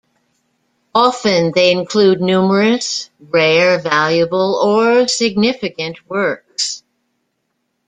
Often, they include numerous rare, valuable, or significant works.